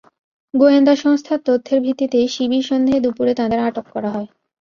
গোয়েন্দা সংস্থার তথ্যের ভিত্তিতে শিবির সন্দেহে দুপুরে তাঁদের আটক করা হয়।